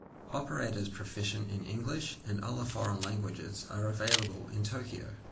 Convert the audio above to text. Operators proficient in English and other foreign languages are available in Tokyo.